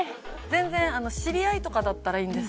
全然知り合いとかだったらいいんですよ。